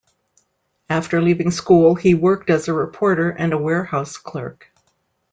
After leaving school, he worked as a reporter and a warehouse clerk.